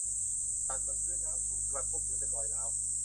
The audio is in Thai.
สันบนพื้นน้ำ ถูกกระทบ หรือเป็นรอยร้าว